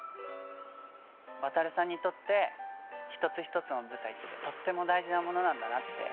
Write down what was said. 渉さんにとって一つ一つの舞台ってとっても大事なものなんだなってわかった。